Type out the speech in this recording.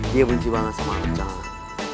dia benci banget sama alam jalan